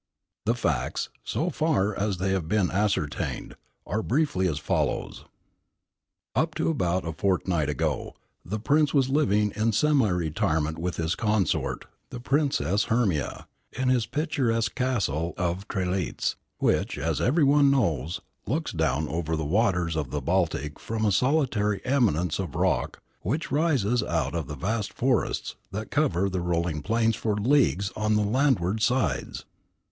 "The facts, so far as they have been ascertained, are briefly as follows: Up to about a fortnight ago, the Prince was living in semi retirement with his consort, the Princess Hermia, in his picturesque Castle of Trelitz, which, as every one knows, looks down over the waters of the Baltic from a solitary eminence of rock which rises out of the vast forests that cover the rolling plains for leagues on the landward sides.